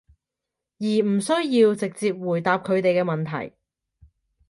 而唔需要直接回答佢哋嘅問題